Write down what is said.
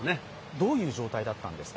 どういう状態だっんですか？